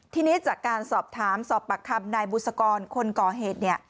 ทีนี้จากการสอบถามสอบปากคำนายบุษกรคนก่อเหตุเนี่ย